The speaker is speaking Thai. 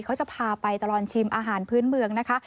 เขาจะพาไปตลอดชิมอาหารพื้นเมืองนะคะ